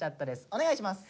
お願いします。